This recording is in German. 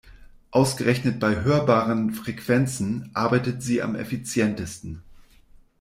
Ausgerechnet bei hörbaren Frequenzen arbeitet sie am effizientesten.